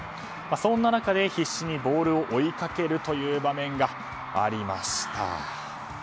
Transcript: そんな中で必死にボールを追いかける場面がありました。